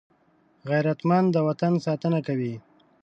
غیرتمند د وطن ساتنه کوي